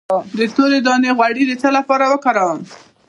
د تورې دانې غوړي د څه لپاره وکاروم؟